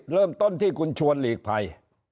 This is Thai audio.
เริ่มต้นที่คุณชวนหลีกภัย